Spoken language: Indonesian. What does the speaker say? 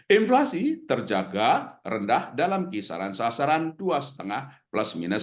inflasi terjaga rendah dalam kisaran sasaran dua lima plus minus